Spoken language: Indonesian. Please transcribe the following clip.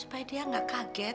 berapa besar nok using ag front